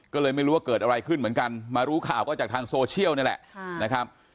ก็เลยไม่รู้ว่าเกิดอะไรขึ้นเหมือนกันมารู้ข่าวก็จากทางโซเชียลนี่แหละนะครับ